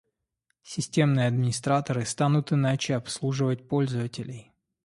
Системные администраторы станут иначе обслуживать пользователей